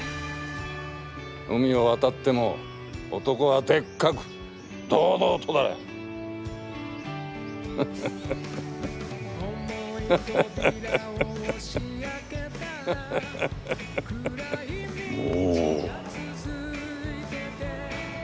海を渡っても男はでっかく堂々とだ！モ。